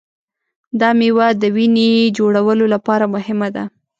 دا مېوه د وینې جوړولو لپاره مهمه ده.